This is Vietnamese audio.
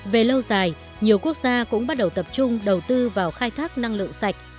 về lâu dài nhiều quốc gia cũng bắt đầu tập trung đầu tư vào khai thác năng lượng sạch